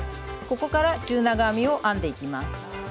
ここから中長編みを編んでいきます。